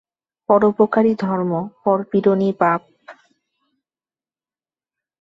পরোপকারই ধর্ম, পরপীড়নই পাপ।